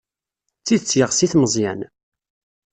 D tidet yeɣs-it Meẓyan?